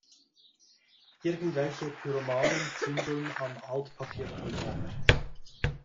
Irgendwelche Pyromanen zündeln am Altpapiercontainer.